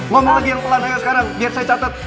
ngomong lagi yang pelan pelan sekarang biar saya catet